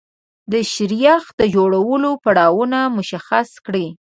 د شیریخ د جوړولو پړاوونه مشخص کړئ.